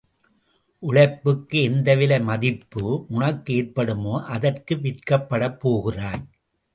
உழைப்புக்கு எந்த விலை மதிப்பு உனக்கு ஏற்படுமோ அதற்கு விற்கப்படப்போகிறாய்.